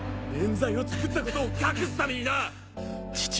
冤罪をつくったことを隠すためにな！